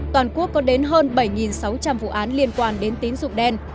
toàn quốc có đến hơn bảy sáu trăm linh vụ án liên quan đến tín dụng đen